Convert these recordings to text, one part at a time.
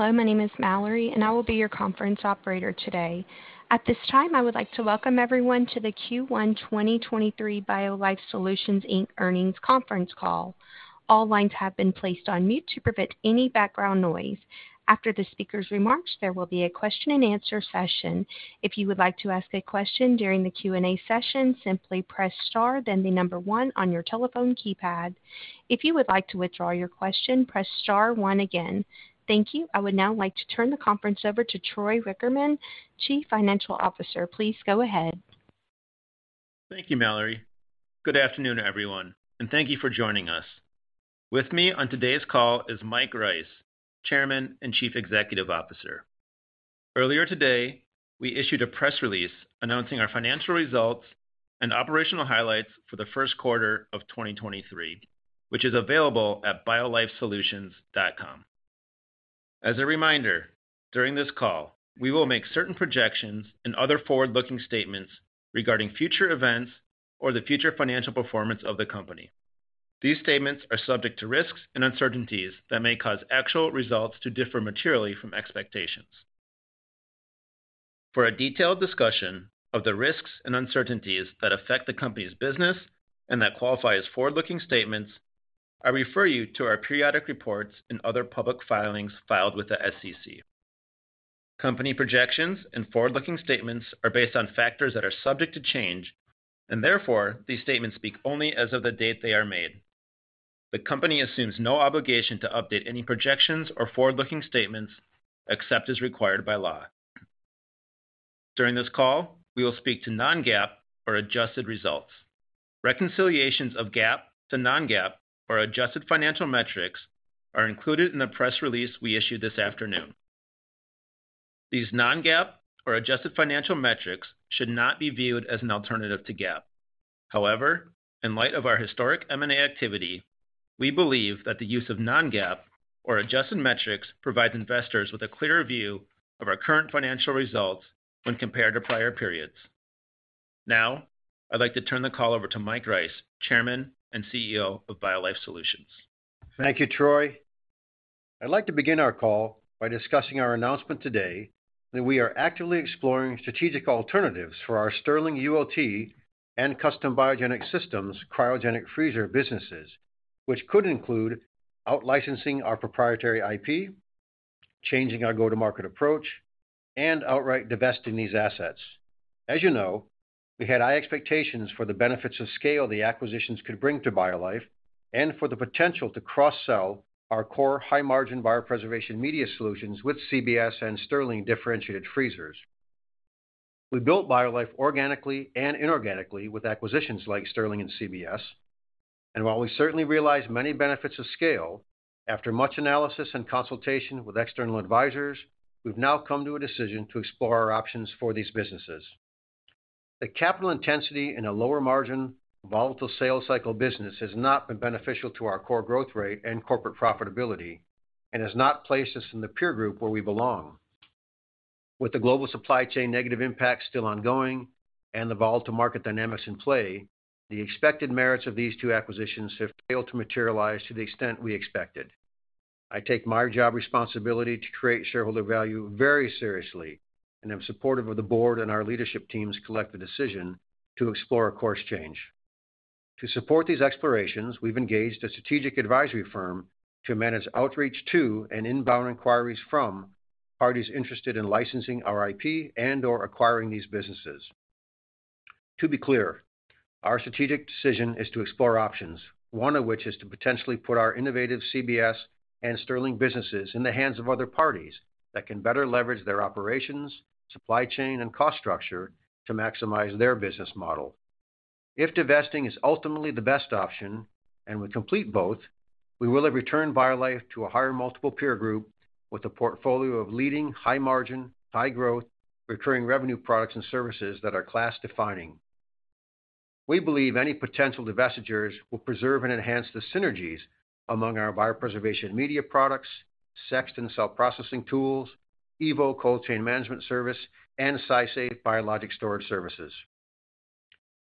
Hello, my name is Mallory. I will be your conference operator today. At this time, I would like to welcome everyone to the Q1 2023 BioLife Solutions Inc. earnings conference call. All lines have been placed on mute to prevent any background noise. After the speaker's remarks, there will be a question-and-answer session. If you would like to ask a question during the Q&A session, simply press star then the one on your telephone keypad. If you would like to withdraw your question, press star one again. Thank you. I would now like to turn the conference over to Troy Wichterman, Chief Financial Officer. Please go ahead. Thank you, Mallory. Good afternoon, everyone, and thank you for joining us. With me on today's call is Mike Rice, Chairman and Chief Executive Officer. Earlier today, we issued a press release announcing our financial results and operational highlights for the first quarter of 2023, which is available at biolifesolutions.com. As a reminder, during this call, we will make certain projections and other forward-looking statements regarding future events or the future financial performance of the company. These statements are subject to risks and uncertainties that may cause actual results to differ materially from expectations. For a detailed discussion of the risks and uncertainties that affect the company's business and that qualify as forward-looking statements, I refer you to our periodic reports and other public filings filed with the SEC. Company projections and forward-looking statements are based on factors that are subject to change, and therefore, these statements speak only as of the date they are made. The company assumes no obligation to update any projections or forward-looking statements except as required by law. During this call, we will speak to non-GAAP or adjusted results. Reconciliations of GAAP to non-GAAP or adjusted financial metrics are included in the press release we issued this afternoon. These non-GAAP or adjusted financial metrics should not be viewed as an alternative to GAAP. However, in light of our historic M&A activity, we believe that the use of non-GAAP or adjusted metrics provides investors with a clearer view of our current financial results when compared to prior periods. Now, I'd like to turn the call over to Mike Rice, Chairman and CEO of BioLife Solutions. Thank you, Troy. I'd like to begin our call by discussing our announcement today that we are actively exploring strategic alternatives for our Stirling ULT and Custom Biogenic Systems cryogenic freezer businesses, which could include out-licensing our proprietary IP, changing our go-to-market approach, and outright divesting these assets. As you know, we had high expectations for the benefits of scale the acquisitions could bring to BioLife and for the potential to cross-sell our core high-margin biopreservation media solutions with CBS and Stirling differentiated freezers. We built BioLife organically and inorganically with acquisitions like Stirling and CBS. While we certainly realize many benefits of scale, after much analysis and consultation with external advisors, we've now come to a decision to explore our options for these businesses. The capital intensity in a lower margin, volatile sales cycle business has not been beneficial to our core growth rate and corporate profitability and has not placed us in the peer group where we belong. With the global supply chain negative impact still ongoing and the volatile market dynamics in play, the expected merits of these two acquisitions have failed to materialize to the extent we expected. I take my job responsibility to create shareholder value very seriously and am supportive of the board and our leadership team's collective decision to explore a course change. To support these explorations, we've engaged a strategic advisory firm to manage outreach to and inbound inquiries from parties interested in licensing our IP and/or acquiring these businesses. To be clear, our strategic decision is to explore options, one of which is to potentially put our innovative CBS and Stirling businesses in the hands of other parties that can better leverage their operations, supply chain, and cost structure to maximize their business model. If divesting is ultimately the best option and we complete both, we will have returned BioLife to a higher multiple peer group with a portfolio of leading high margin, high growth, recurring revenue products and services that are class defining. We believe any potential divestitures will preserve and enhance the synergies among our biopreservation media products, Sexton and cell processing tools, EVO cold chain management service, and SciSafe biologic storage services.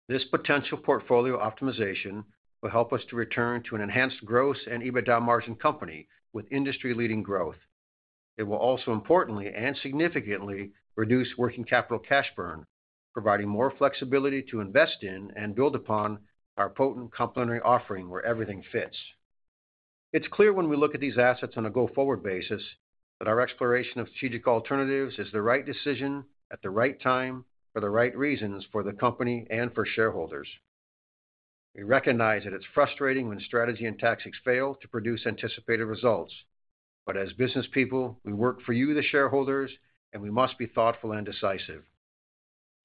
This potential portfolio optimization will help us to return to an enhanced gross and EBITDA margin company with industry-leading growth. It will also importantly and significantly reduce working capital cash burn, providing more flexibility to invest in and build upon our potent complementary offering where everything fits. It's clear when we look at these assets on a go-forward basis that our exploration of strategic alternatives is the right decision at the right time for the right reasons for the company and for shareholders. We recognize that it's frustrating when strategy and tactics fail to produce anticipated results. As business people, we work for you, the shareholders, and we must be thoughtful and decisive.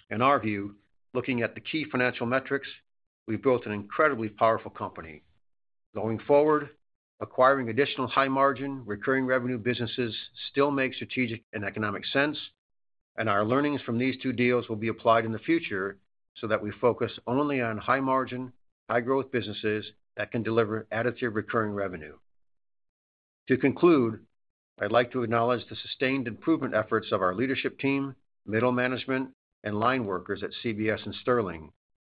In our view, looking at the key financial metrics, we've built an incredibly powerful company. Going forward, acquiring additional high margin, recurring revenue businesses still make strategic and economic sense. Our learnings from these two deals will be applied in the future so that we focus only on high margin, high growth businesses that can deliver additive recurring revenue. To conclude, I'd like to acknowledge the sustained improvement efforts of our leadership team, middle management, and line workers at CBS and Stirling.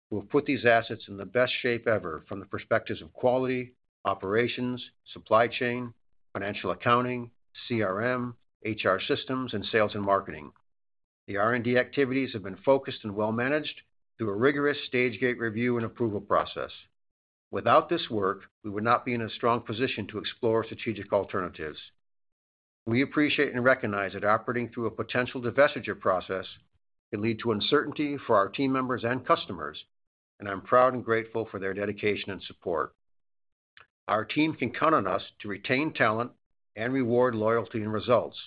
We'll put these assets in the best shape ever from the perspectives of quality, operations, supply chain, financial accounting, CRM, HR systems, and sales and marketing. The R&D activities have been focused and well-managed through a rigorous stage gate review and approval process. Without this work, we would not be in a strong position to explore strategic alternatives. We appreciate and recognize that operating through a potential divestiture process can lead to uncertainty for our team members and customers. I'm proud and grateful for their dedication and support. Our team can count on us to retain talent and reward loyalty and results.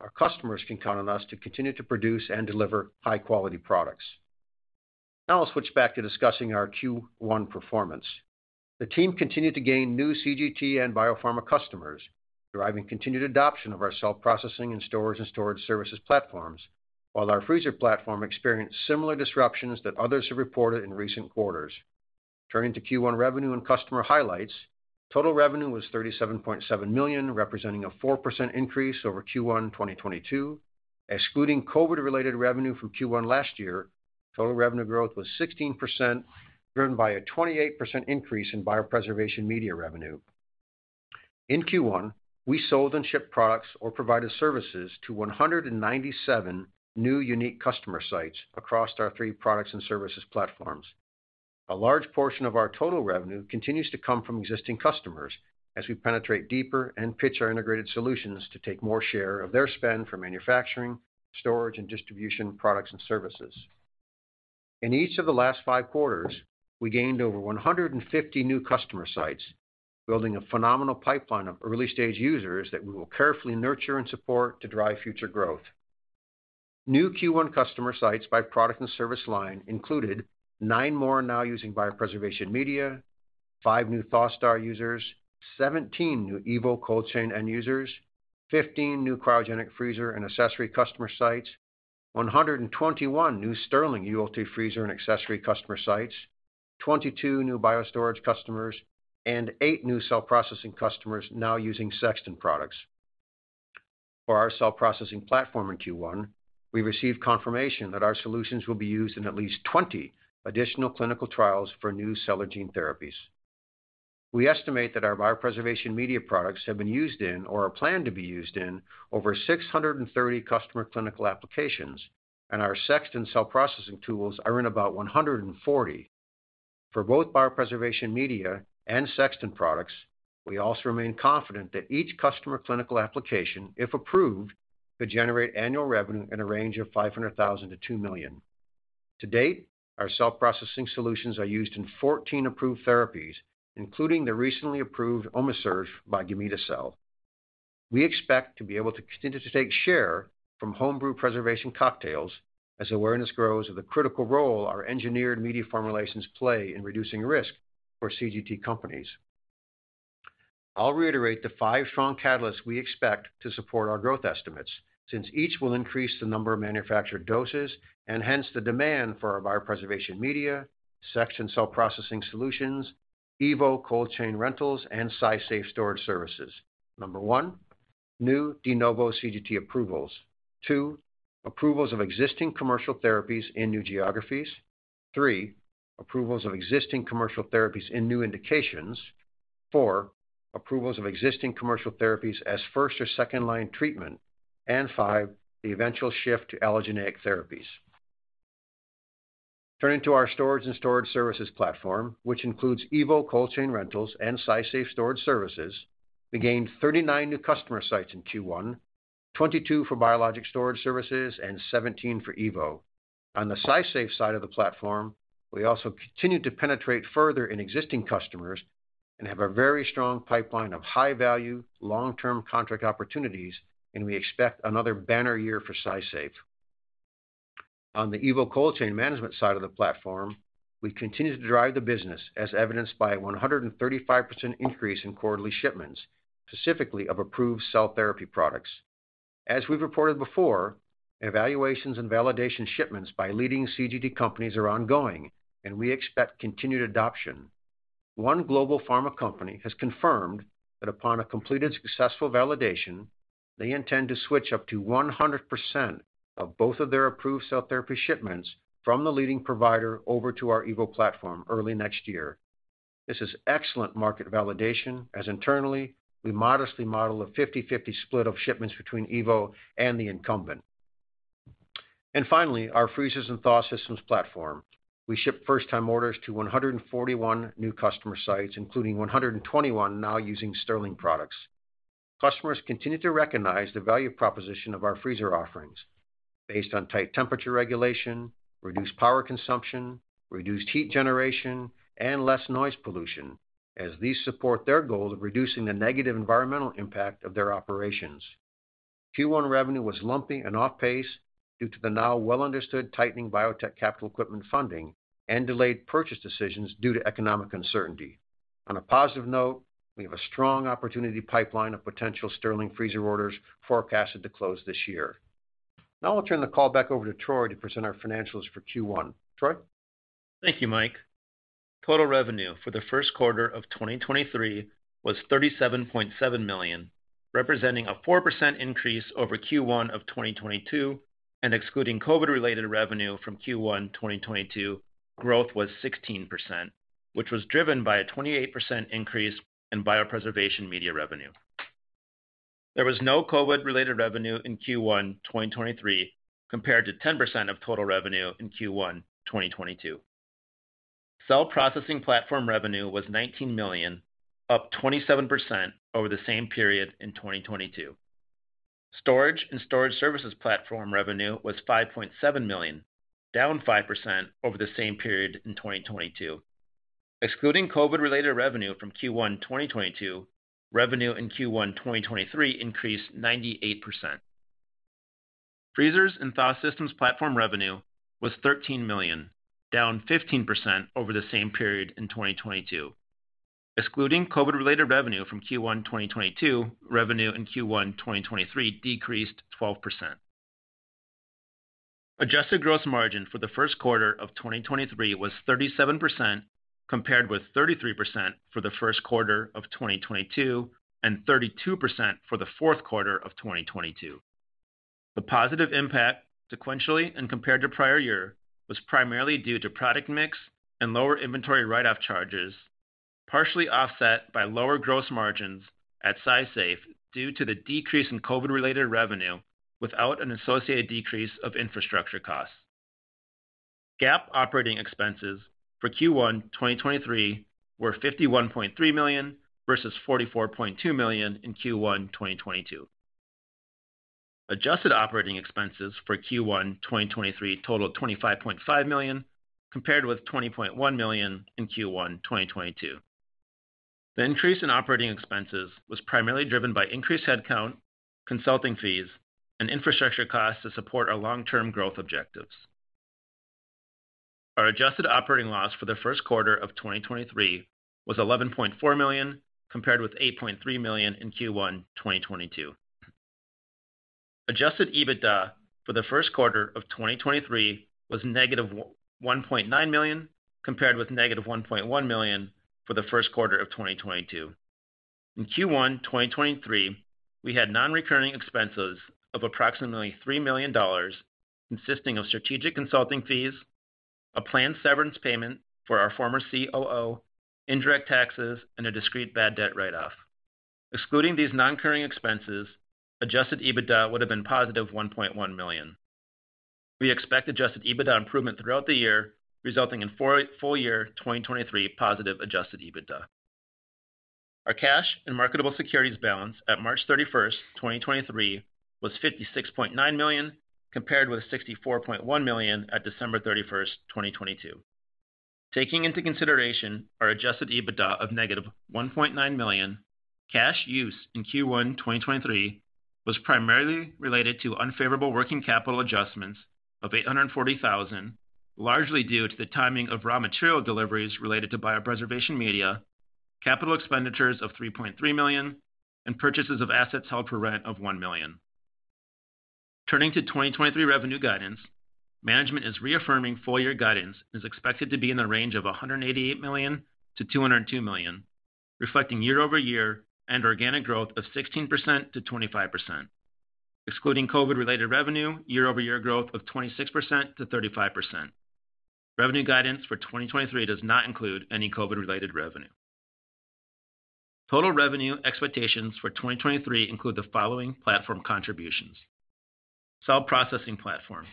Our customers can count on us to continue to produce and deliver high-quality products. I'll switch back to discussing our Q1 performance. The team continued to gain new CGT and biopharma customers, driving continued adoption of our cell processing and storage services platforms, while our freezer platform experienced similar disruptions that others have reported in recent quarters. Turning to Q1 revenue and customer highlights, total revenue was $37.7 million, representing a 4% increase over Q1 2022. Excluding COVID-related revenue from Q1 last year, total revenue growth was 16%, driven by a 28% increase in biopreservation media revenue. In Q1, we sold and shipped products or provided services to 197 new unique customer sites across our three products and services platforms. A large portion of our total revenue continues to come from existing customers as we penetrate deeper and pitch our integrated solutions to take more share of their spend for manufacturing, storage, and distribution products and services. In each of the last five quarters, we gained over 150 new customer sites, building a phenomenal pipeline of early-stage users that we will carefully nurture and support to drive future growth. New Q1 customer sites by product and service line included nine more now using biopreservation media, five new ThawSTAR users, 17 new EVO cold chain end users, 15 new cryogenic freezer and accessory customer sites, 121 new Stirling ULT freezer and accessory customer sites, 22 new BioStorage customers, and eight new cell processing customers now using Sexton products. For our cell processing platform in Q1, we received confirmation that our solutions will be used in at least 20 additional clinical trials for new cell or gene therapies. We estimate that our biopreservation media products have been used in or are planned to be used in over 630 customer clinical applications, and our Sexton cell processing tools are in about 140. For both biopreservation media and Sexton products, we also remain confident that each customer clinical application, if approved, could generate annual revenue in a range of $500,000-$2 million. To date, our cell processing solutions are used in 14 approved therapies, including the recently approved Omisirge by Gamida Cell. We expect to be able to continue to take share from home-brew preservation cocktails as awareness grows of the critical role our engineered media formulations play in reducing risk for CGT companies. I'll reiterate the five strong catalysts we expect to support our growth estimates, since each will increase the number of manufactured doses and hence the demand for our biopreservation media, Sexton cell processing solutions, EVO cold chain rentals, and SciSafe storage services. Number one, new de novo CGT approvals. two, approvals of existing commercial therapies in new geographies. Three, approvals of existing commercial therapies in new indications. Four, approvals of existing commercial therapies as first or second-line treatment. Five, the eventual shift to allogeneic therapies. Turning to our storage and storage services platform, which includes EVO cold chain rentals and SciSafe storage services, we gained 39 new customer sites in Q1, 22 for biologic storage services and 17 for EVO. On the SciSafe side of the platform, we also continued to penetrate further in existing customers and have a very strong pipeline of high-value, long-term contract opportunities. We expect another banner year for SciSafe. On the EVO cold chain management side of the platform, we continue to drive the business, as evidenced by a 135% increase in quarterly shipments, specifically of approved cell therapy products. As we've reported before, evaluations and validation shipments by leading CGT companies are ongoing, and we expect continued adoption. One global pharma company has confirmed that upon a completed successful validation, they intend to switch up to 100% of both of their approved cell therapy shipments from the leading provider over to our EVO platform early next year. This is excellent market validation, as internally, we modestly model a 50/50 split of shipments between EVO and the incumbent. Finally, our freezers and ThawSTAR systems platform. We shipped first-time orders to 141 new customer sites, including 121 now using Stirling products. Customers continue to recognize the value proposition of our freezer offerings based on tight temperature regulation, reduced power consumption, reduced heat generation, and less noise pollution, as these support their goal of reducing the negative environmental impact of their operations. Q1 revenue was lumpy and off pace due to the now well-understood tightening biotech capital equipment funding and delayed purchase decisions due to economic uncertainty. On a positive note, we have a strong opportunity pipeline of potential Stirling freezer orders forecasted to close this year. I'll turn the call back over to Troy to present our financials for Q1. Troy? Thank you, Mike. Total revenue for the first quarter of 2023 was $37.7 million, representing a 4% increase over Q1 of 2022. Excluding COVID-related revenue from Q1 2022, growth was 16%, which was driven by a 28% increase in biopreservation media revenue. There was no COVID-related revenue in Q1 2023 compared to 10% of total revenue in Q1 2022. Cell processing platform revenue was $19 million, up 27% over the same period in 2022. Storage and storage services platform revenue was $5.7 million, down 5% over the same period in 2022. Excluding COVID-related revenue from Q1 2022, revenue in Q1 2023 increased 98%. Freezers and thaw systems platform revenue was $13 million, down 15% over the same period in 2022. Excluding COVID-related revenue from Q1 2022, revenue in Q1 2023 decreased 12%. Adjusted gross margin for the first quarter of 2023 was 37%, compared with 33% for the first quarter of 2022 and 32% for the fourth quarter of 2022. The positive impact sequentially and compared to prior year was primarily due to product mix and lower inventory write-off charges, partially offset by lower gross margins at SciSafe due to the decrease in COVID-related revenue without an associated decrease of infrastructure costs. GAAP operating expenses for Q1 2023 were $51.3 million versus $44.2 million in Q1 2022. Adjusted operating expenses for Q1 2023 totaled $25.5 million, compared with $20.1 million in Q1 2022. The increase in operating expenses was primarily driven by increased headcount, consulting fees, and infrastructure costs to support our long-term growth objectives. Our adjusted operating loss for the first quarter of 2023 was $11.4 million, compared with $8.3 million in Q1 2022. Adjusted EBITDA for the first quarter of 2023 was -$1.9 million, compared with -$1.1 million for the first quarter of 2022. In Q1 2023, we had non-recurring expenses of approximately $3 million, consisting of strategic consulting fees, a planned severance payment for our former COO, indirect taxes, and a discrete bad debt write-off. Excluding these non-recurring expenses, adjusted EBITDA would have been +$1.1 million. We expect adjusted EBITDA improvement throughout the year, resulting in full year 2023 positive adjusted EBITDA. Our cash and marketable securities balance at March 31, 2023, was $56.9 million, compared with $64.1 million at December 31, 2022. Taking into consideration our adjusted EBITDA of -$1.9 million, cash use in Q1 2023 was primarily related to unfavorable working capital adjustments of $840,000, largely due to the timing of raw material deliveries related to biopreservation media, capital expenditures of $3.3 million, and purchases of assets held for rent of $1 million. Turning to 2023 revenue guidance, management is reaffirming full year guidance is expected to be in the range of $188 million-$202 million, reflecting year-over-year and organic growth of 16%-25%. Excluding COVID-related revenue, year-over-year growth of 26%-35%. Revenue guidance for 2023 does not include any COVID-related revenue. Total revenue expectations for 2023 include the following platform contributions. Cell processing platform,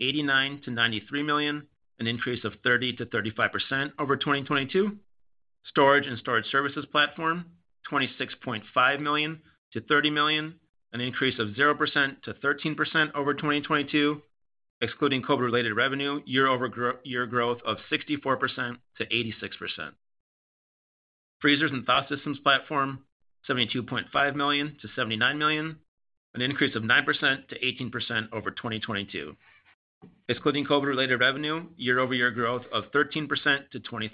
$89 million-$93 million, an increase of 30%-35% over 2022. Storage and storage services platform, $26.5 million-$30 million, an increase of 0%-13% over 2022. Excluding COVID-related revenue, year-over-year growth of 64%-86%. Freezers and thaw systems platform, $72.5 million-$79 million, an increase of 9%-18% over 2022. Excluding COVID-related revenue, year-over-year growth of 13%-23%.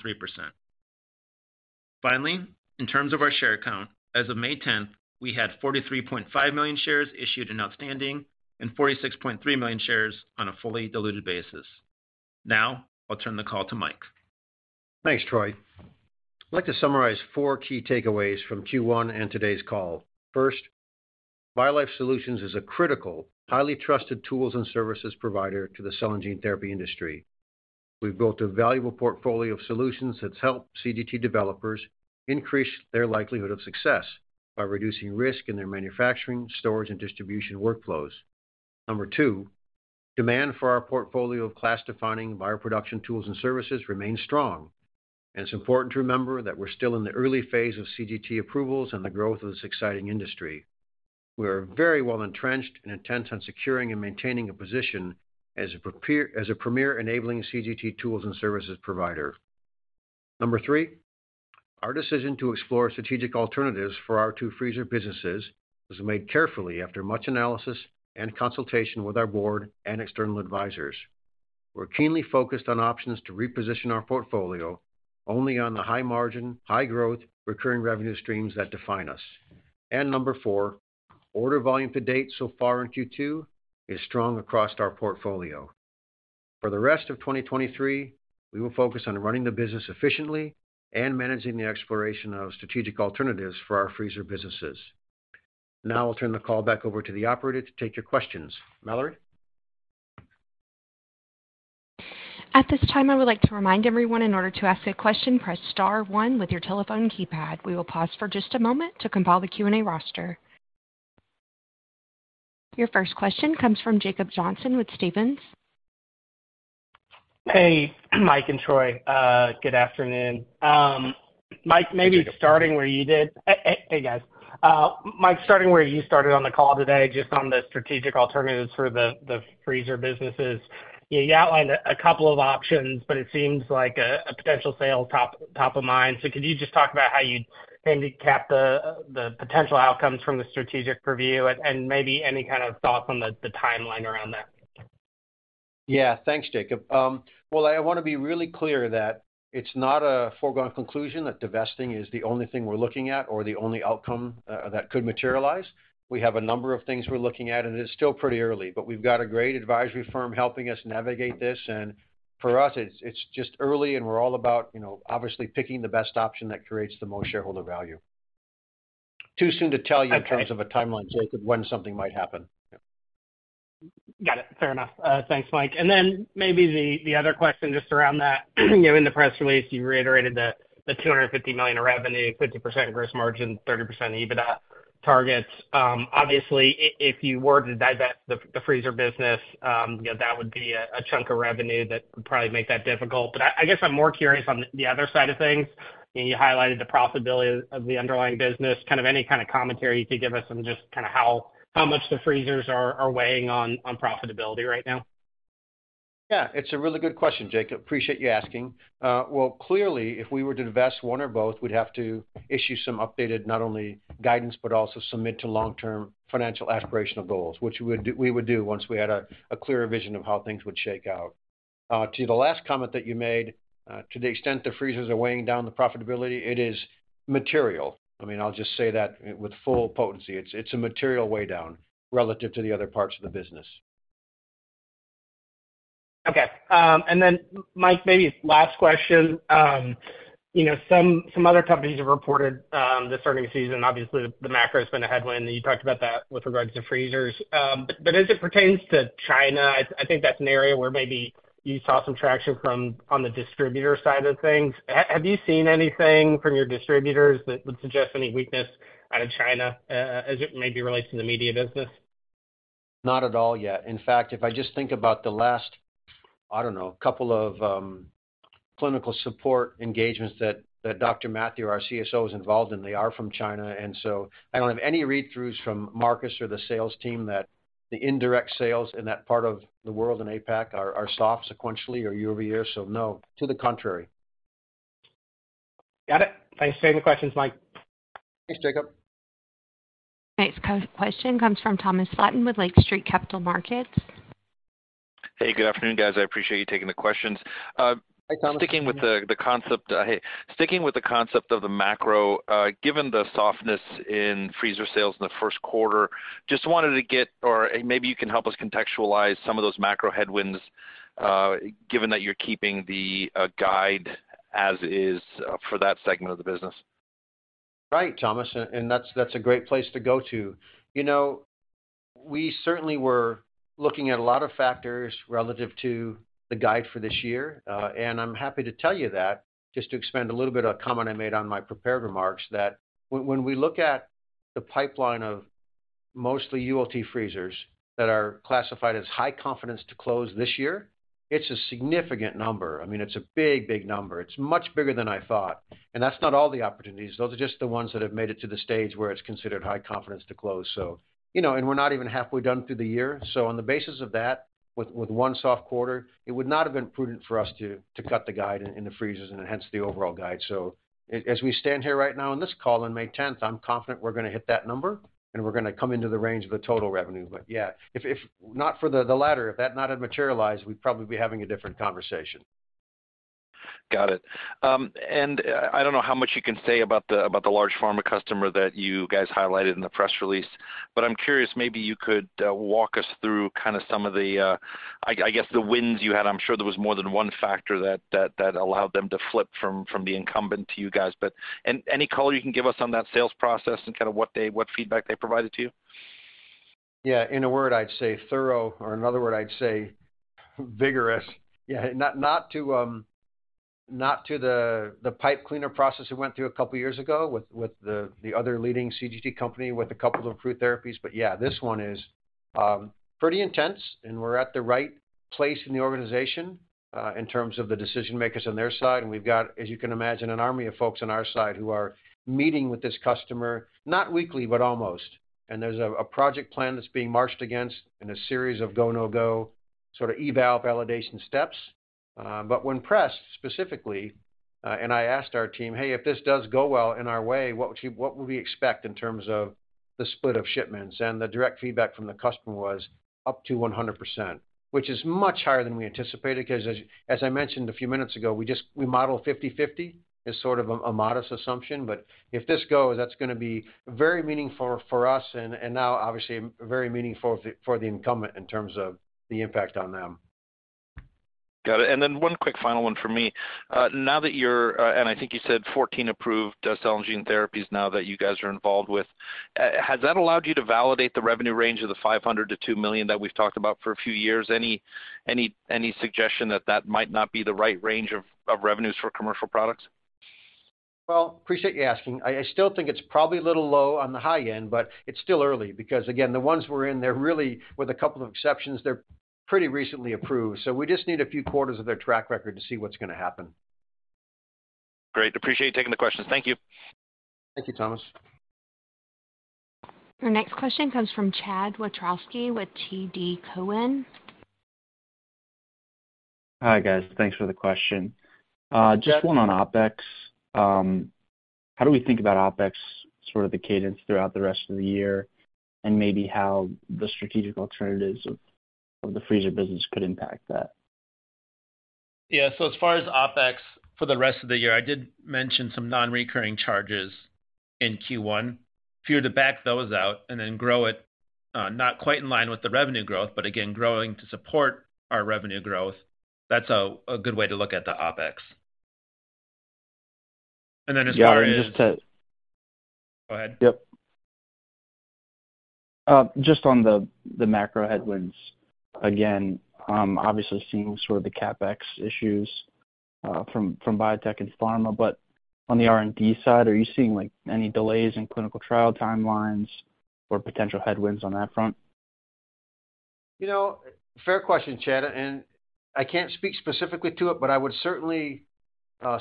Finally, in terms of our share count, as of May 10th, we had 43.5 million shares issued and outstanding and 46.3 million shares on a fully diluted basis. I'll turn the call to Mike. Thanks, Troy. I'd like to summarize four key takeaways from Q1 and today's call. First, BioLife Solutions is a critical, highly trusted tools and services provider to the cell and gene therapy industry. We've built a valuable portfolio of solutions that's helped CGT developers increase their likelihood of success by reducing risk in their manufacturing, storage, and distribution workflows. Number two, demand for our portfolio of class-defining bioproduction tools and services remains strong, and it's important to remember that we're still in the early phase of CGT approvals and the growth of this exciting industry. We are very well entrenched and intent on securing and maintaining a position as a premier enabling CGT tools and services provider. Number three, our decision to explore strategic alternatives for our two freezer businesses was made carefully after much analysis and consultation with our board and external advisors. We're keenly focused on options to reposition our portfolio only on the high margin, high growth, recurring revenue streams that define us. Number four. Order volume to date so far in Q2 is strong across our portfolio. For the rest of 2023, we will focus on running the business efficiently and managing the exploration of strategic alternatives for our freezer businesses. I'll turn the call back over to the operator to take your questions. Mallory? At this time, I would like to remind everyone in order to ask a question, press star one with your telephone keypad. We will pause for just a moment to compile the Q&A roster. Your first question comes from Jacob Johnson with Stephens. Hey, Mike and Troy. Good afternoon. Mike, maybe starting where you did... Hey, guys. Mike, starting where you started on the call today, just on the strategic alternatives for the freezer businesses. You outlined a couple of options, but it seems like a potential sale top of mind. Could you just talk about how you'd handicap the potential outcomes from the strategic review and maybe any kind of thoughts on the timeline around that? Yeah. Thanks, Jacob. Well, I wanna be really clear that it's not a foregone conclusion that divesting is the only thing we're looking at or the only outcome that could materialize. We have a number of things we're looking at, and it is still pretty early. We've got a great advisory firm helping us navigate this, and for us, it's just early, and we're all about, you know, obviously picking the best option that creates the most shareholder value. Too soon to tell. Okay... in terms of a timeline, Jacob, when something might happen. Yeah. Got it. Fair enough. Thanks, Mike. Maybe the other question just around that. You know, in the press release, you reiterated the $250 million in revenue, 50% gross margin, 30% EBITDA targets. Obviously, if you were to divest the freezer business, you know, that would be a chunk of revenue that would probably make that difficult. I guess I'm more curious on the other side of things. You know, you highlighted the profitability of the underlying business. Kind of any kind of commentary you could give us on just kinda how much the freezers are weighing on profitability right now? It's a really good question, Jacob. Appreciate you asking. Well, clearly, if we were to divest one or both, we'd have to issue some updated not only guidance but also submit to long-term financial aspirational goals, which we would do once we had a clearer vision of how things would shake out. To the last comment that you made, to the extent the freezers are weighing down the profitability, it is material. I mean, I'll just say that with full potency. It's a material weigh down relative to the other parts of the business. Okay. And then Mike, maybe last question. You know, some other companies have reported, the starting season, obviously the macro's been a headwind, and you talked about that with regards to freezers. As it pertains to China, I think that's an area where maybe you saw some traction from on the distributor side of things. Have you seen anything from your distributors that would suggest any weakness out of China, as it maybe relates to the media business? Not at all yet. In fact, if I just think about the last, I don't know, couple of clinical support engagements that Dr. Mathew, our CSO, is involved in, they are from China. I don't have any read-throughs from Marcus or the sales team that the indirect sales in that part of the world in APAC are soft sequentially or year-over-year. No. To the contrary. Got it. Thanks for taking the questions, Mike. Thanks, Jacob. Next question comes from Thomas Flaten with Lake Street Capital Markets. Hey, good afternoon, guys. I appreciate you taking the questions. Hi, Thomas. Hey. Sticking with the concept of the macro, given the softness in freezer sales in the first quarter, just wanted to get, or maybe you can help us contextualize some of those macro headwinds, given that you're keeping the guide as is, for that segment of the business? Thomas, and that's a great place to go to. You know, we certainly were looking at a lot of factors relative to the guide for this year, and I'm happy to tell you that just to expand a little bit a comment I made on my prepared remarks that when we look at the pipeline of mostly ULT freezers that are classified as high confidence to close this year, it's a significant number. I mean, it's a big, big number. It's much bigger than I thought, and that's not all the opportunities. Those are just the ones that have made it to the stage where it's considered high confidence to close. You know, and we're not even halfway done through the year. On the basis of that, with one soft quarter, it would not have been prudent for us to cut the guide in the freezers and hence the overall guide. As we stand here right now on this call on May 10th, I'm confident we're gonna hit that number, and we're gonna come into the range of the total revenue. Yeah, if not for the latter, if that not had materialized, we'd probably be having a different conversation. Got it. I don't know how much you can say about the large pharma customer that you guys highlighted in the press release. I'm curious, maybe you could walk us through kinda some of the, I guess, the wins you had. I'm sure there was more than one factor that allowed them to flip from the incumbent to you guys. Any color you can give us on that sales process and kinda what feedback they provided to you? Yeah. In a word, I'd say thorough, or another word I'd say vigorous. Yeah. Not to the pipe cleaner process we went throught wo years ago with the other leading CGT company with two approved therapies, but yeah, this one is pretty intense, and we're at the right place in the organization in terms of the decision makers on their side, and we've got, as you can imagine, an army of folks on our side who are meeting with this customer, not weekly, but almost. There's a project plan that's being marched against and a series of go, no-go sorta eval validation steps. When pressed specifically, and I asked our team, "Hey, if this does go well and our way, what would we expect in terms of the split of shipments?" The direct feedback from the customer was up to 100%, which is much higher than we anticipated 'cause as I mentioned a few minutes ago, we model 50/50 as sort of a modest assumption. If this goes, that's gonna be very meaningful for us and now obviously very meaningful for the incumbent in terms of the impact on them. Got it. Then one quick final one for me. Now that you're, and I think you said 14 approved cell and gene therapies now that you guys are involved with, has that allowed you to validate the revenue range of $500,000-$2 million that we've talked about for a few years? Any suggestion that that might not be the right range of revenues for commercial products? Well, appreciate you asking. I still think it's probably a little low on the high end. It's still early. Again, the ones we're in, they're really, with a couple of exceptions, they're pretty recently approved. We just need a few quarters of their track record to see what's gonna happen. Great. Appreciate you taking the questions. Thank you. Thank you, Thomas. Our next question comes from Chad Wiatrowski with TD Cowen. Hi, guys. Thanks for the question. Just one on OpEx. How do we think about OpEx, sort of the cadence throughout the rest of the year, and maybe how the strategic alternatives of the freezer business could impact that? Yeah. As far as OpEx for the rest of the year, I did mention some non-recurring charges in Q1. If you were to back those out and then grow it, not quite in line with the revenue growth, but again, growing to support our revenue growth, that's a good way to look at the OpEx. Then as far as. Yeah, just. Go ahead. Yep. Just on the macro headwinds, again, obviously seeing sort of the CapEx issues, from biotech and pharma, but on the R&D side, are you seeing, like, any delays in clinical trial timelines or potential headwinds on that front? You know, fair question, Chad, and I can't speak specifically to it, but I would certainly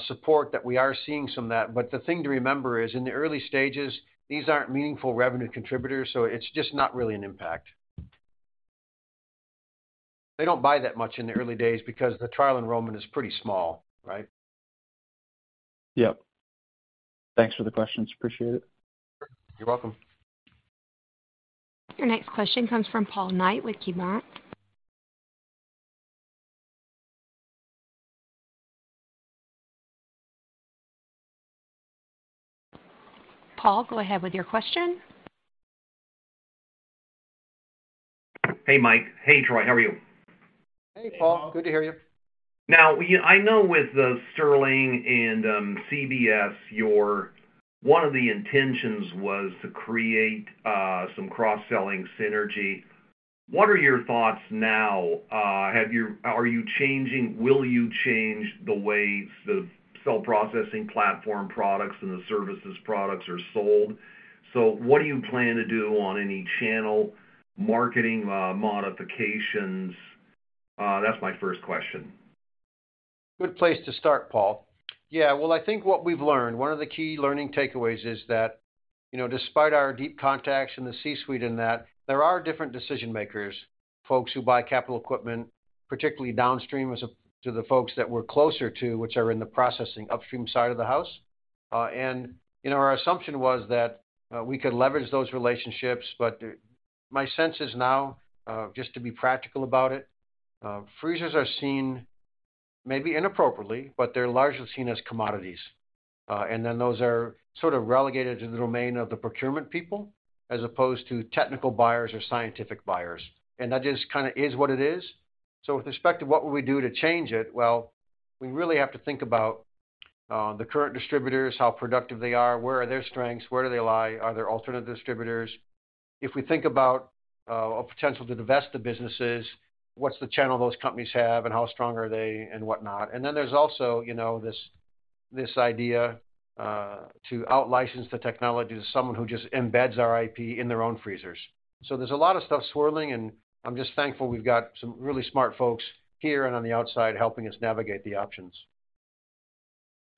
support that we are seeing some of that. The thing to remember is, in the early stages, these aren't meaningful revenue contributors. It's just not really an impact. They don't buy that much in the early days because the trial enrollment is pretty small, right? Yep. Thanks for the questions. Appreciate it. You're welcome. Your next question comes from Paul Knight with KeyBanc. Paul, go ahead with your question. Hey, Mike. Hey, Troy. How are you? Hey, Paul. Good to hear you. Now, I know with the Stirling and CBS, one of the intentions was to create some cross-selling synergy. What are your thoughts now? Are you changing? Will you change the way the Cell Processing Platform products and the services products are sold? What do you plan to do on any channel marketing modifications? That's my first question. Good place to start, Paul. Yeah. Well, I think what we've learned, one of the key learning takeaways is that, you know, despite our deep contacts in the C-suite in that, there are different decision makers, folks who buy capital equipment, particularly downstream as opposed to the folks that we're closer to, which are in the processing upstream side of the house. You know, our assumption was that we could leverage those relationships. My sense is now, just to be practical about it, freezers are seen maybe inappropriately, but they're largely seen as commodities. Then those are sort of relegated to the domain of the procurement people as opposed to technical buyers or scientific buyers. That just kinda is what it is. With respect to what would we do to change it, well, we really have to think about the current distributors, how productive they are, where are their strengths, where do they lie? Are there alternative distributors? If we think about a potential to divest the businesses, what's the channel those companies have and how strong are they and whatnot. Then there's also, you know, this idea to out-license the technology to someone who just embeds our IP in their own freezers. There's a lot of stuff swirling, and I'm just thankful we've got some really smart folks here and on the outside helping us navigate the options.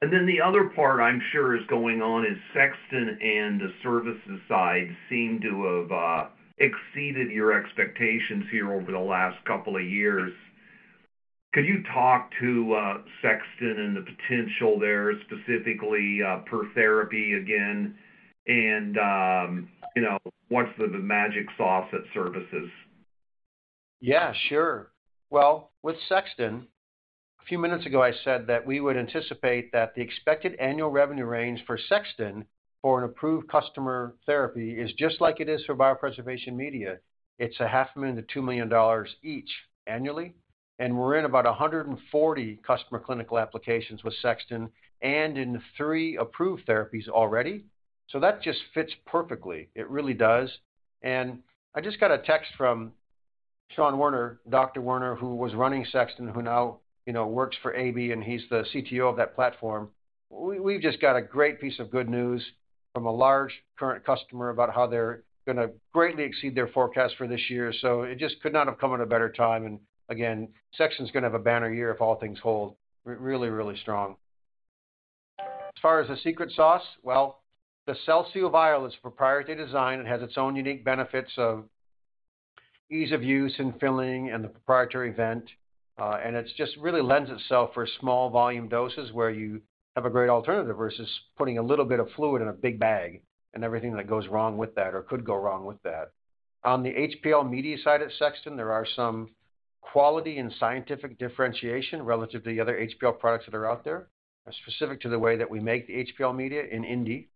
The other part I'm sure is going on is Sexton and the services side seem to have exceeded your expectations here over the last couple of years. Could you talk to Sexton and the potential there, specifically, per therapy again? You know, what's the magic sauce at services? Sure. Well, with Sexton, a few minutes ago, I said that we would anticipate that the expected annual revenue range for Sexton for an approved customer therapy is just like it is for biopreservation media. It's $500,000-$2 million each annually, and we're in about 140 customer clinical applications with Sexton and in three approved therapies already. That just fits perfectly. It really does. I just got a text from Sean Werner, Dr. Werner, who was running Sexton, who now, you know, works for AB, and he's the CTO of that platform. We've just got a great piece of good news from a large current customer about how they're gonna greatly exceed their forecast for this year. It just could not have come at a better time. Again, Sexton's gonna have a banner year if all things hold. Really, really strong. As far as the secret sauce, well, the CellSeal vial is proprietary design and has its own unique benefits of ease of use in filling and the proprietary vent, and it's just really lends itself for small volume doses where you have a great alternative versus putting a little bit of fluid in a big bag and everything that goes wrong with that or could go wrong with that. On the HPL media side at Sexton, there are some quality and scientific differentiation relative to the other HPL products that are out there, specific to the way that we make the HPL media in Indy.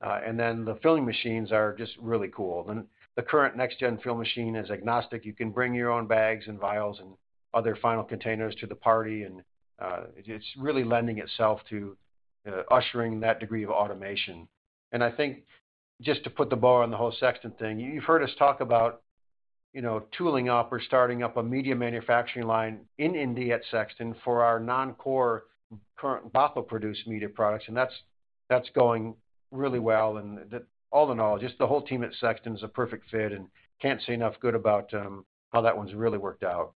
Then the filling machines are just really cool. The current next gen fill machine is agnostic. You can bring your own bags and vials and other final containers to the party. It's just really lending itself to ushering that degree of automation. I think just to put the bow on the whole Sexton, you've heard us talk about, you know, tooling up or starting up a media manufacturing line in Indy at Sexton for our non-core current BAPA-produced media products, and that's going really well. all in all, just the whole team at Sexton is a perfect fit and can't say enough good about how that one's really worked out.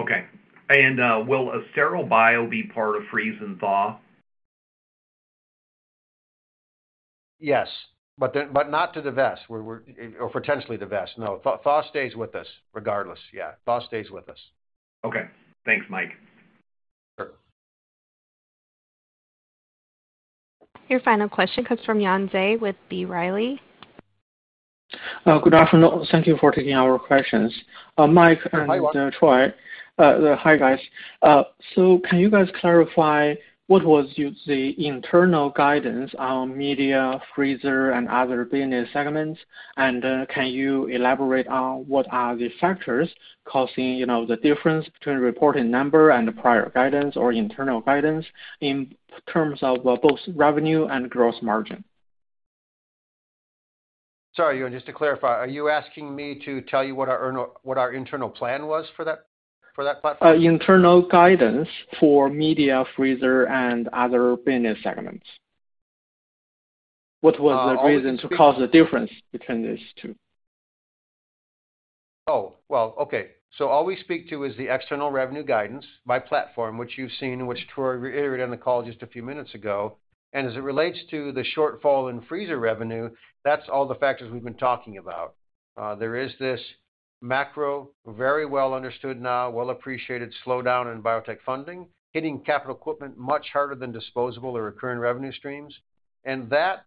Okay. Will ThawSTAR Bio be part of freeze and thaw? Yes, not to divest we're... Potentially divest. Thaw stays with us regardless. Thaw stays with us. Okay. Thanks, Mike. Sure. Your final question comes from Yuan Zhi with B. Riley. Good afternoon. Thank you for taking our questions. Mike and- Hi, Yuan. Hi, guys. Can you guys clarify what was the internal guidance on media, freezer and other business segments? Can you elaborate on what are the factors causing, you know, the difference between reported number and the prior guidance or internal guidance in terms of both revenue and gross margin? Sorry, Yuan, just to clarify, are you asking me to tell you what our internal plan was for that platform? Internal guidance for media, freezer and other business segments. What was the reason to cause the difference between these two? Well, okay. All we speak to is the external revenue guidance by platform, which you've seen, which Troy reiterated on the call just a few minutes ago. As it relates to the shortfall in freezer revenue, that's all the factors we've been talking about. There is this macro, very well understood now, well-appreciated slowdown in biotech funding, hitting capital equipment much harder than disposable or recurring revenue streams. That,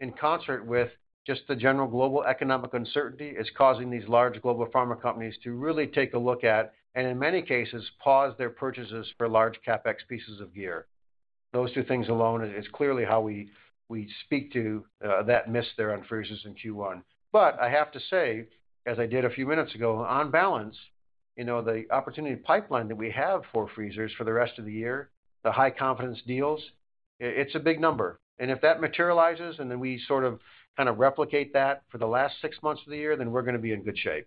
in concert with just the general global economic uncertainty, is causing these large global pharma companies to really take a look at, and in many cases, pause their purchases for large CapEx pieces of gear. Those two things alone is clearly how we speak to that miss there on freezers in Q1. I have to say, as I did a few minutes ago, on balance, you know, the opportunity pipeline that we have for freezers for the rest of the year, the high confidence deals, it's a big number. If that materializes, and then we sort of, kind of replicate that for the last six months of the year, then we're gonna be in good shape.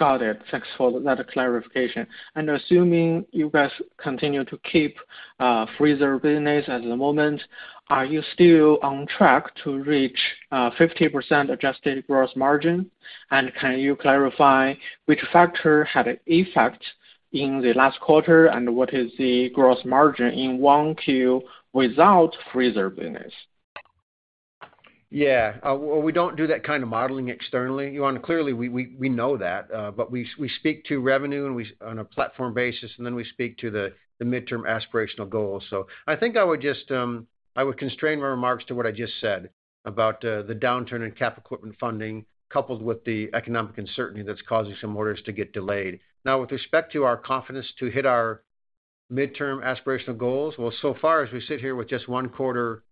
Got it. Thanks for that clarification. Assuming you guys continue to keep freezer business at the moment, are you still on track to reach 50% adjusted gross margin? Can you clarify which factor had an effect in the last quarter, and what is the gross margin in 1Q without freezer business? Yeah. We don't do that kind of modeling externally, Yuan. Clearly, we know that, but we speak to revenue and we on a platform basis, and then we speak to the midterm aspirational goal. I think I would just, I would constrain my remarks to what I just said about the downturn in cap equipment funding, coupled with the economic uncertainty that's causing some orders to get delayed. With respect to our confidence to hit our midterm aspirational goals, well, so far, as we sit here with just one quarter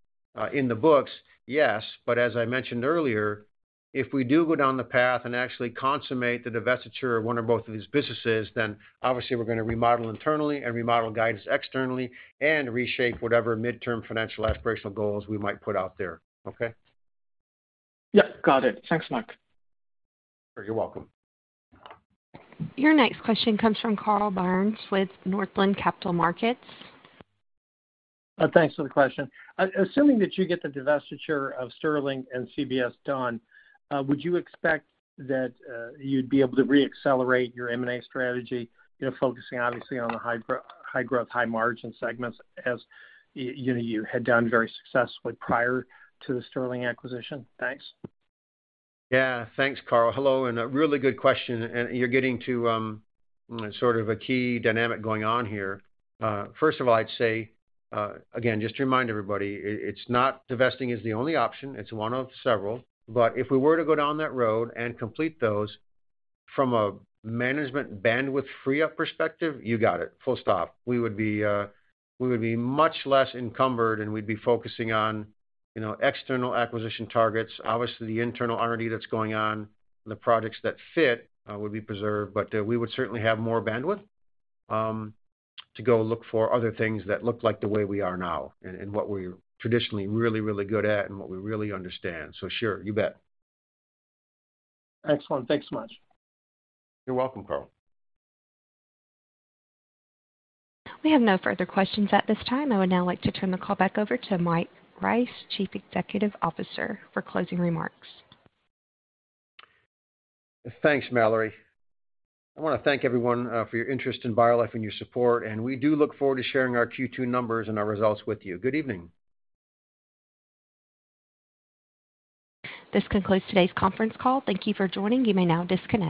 in the books, yes. As I mentioned earlier, if we do go down the path and actually consummate the divestiture of one or both of these businesses, then obviously we're gonna remodel internally and remodel guidance externally and reshape whatever midterm financial aspirational goals we might put out there. Okay? Yeah, got it. Thanks, Mike. You're welcome. Your next question comes from Carl Byrnes with Northland Capital Markets. Thanks for the question. Assuming that you get the divestiture of Stirling and CBS done, would you expect that you'd be able to re-accelerate your M&A strategy, you know, focusing obviously on the high growth, high margin segments as you know, you had done very successfully prior to the Stirling acquisition? Thanks. Yeah. Thanks, Carl. Hello, a really good question. You're getting to sort of a key dynamic going on here. First of all, I'd say again, just to remind everybody, it's not divesting is the only option, it's one of several. If we were to go down that road and complete those from a management bandwidth free-up perspective, you got it, full stop. We would be much less encumbered, and we'd be focusing on, you know, external acquisition targets. Obviously, the internal R&D that's going on, the products that fit, would be preserved, but we would certainly have more bandwidth to go look for other things that look like the way we are now and what we're traditionally really, really good at and what we really understand. Sure, you bet. Excellent. Thanks so much. You're welcome, Carl. We have no further questions at this time. I would now like to turn the call back over to Mike Rice, Chief Executive Officer, for closing remarks. Thanks, Mallory. I wanna thank everyone, for your interest in BioLife and your support. We do look forward to sharing our Q2 numbers and our results with you. Good evening. This concludes today's conference call. Thank you for joining. You may now disconnect.